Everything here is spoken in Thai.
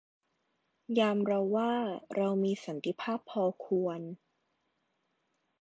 ยามเราว่า เรามีสันติภาพพอควร